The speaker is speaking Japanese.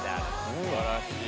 すばらしい。